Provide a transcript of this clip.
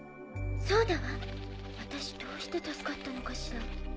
そうだわ私どうして助かったのかしら。